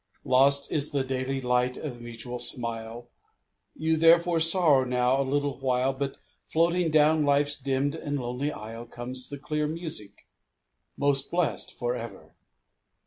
Lost is the daily light of mutual smile, You therefore sorrow now a little while; But floating down life's dimmed and lonely aisle Comes the clear music: 'Most blessed for ever!'